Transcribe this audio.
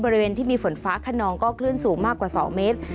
บริเวณที่มีฝนฟ้าขนองก็คลื่นสูงมากกว่า๒เมตร